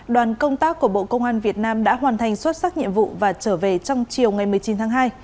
đoàn công tác của bộ công an việt nam đã hoàn thành xuất sắc nhiệm vụ và trở về trong chiều ngày một mươi chín tháng hai